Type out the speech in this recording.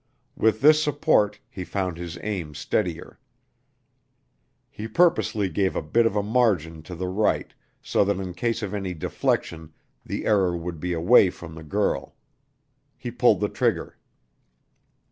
With this support he found his aim steadier. He purposely gave a bit of a margin to the right, so that in case of any deflection the error would be away from the girl. He pulled the trigger.